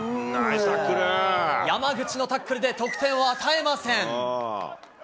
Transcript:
山口のタックルで得点を与えません。